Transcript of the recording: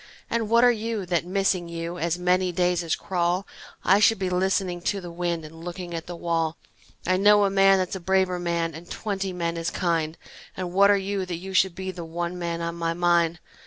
And what are you that, missing you, As many days as crawl I should be listening to the wind And looking at the wall? I know a man that's a braver man And twenty men as kind, And what are you, that you should be The one man on my mind?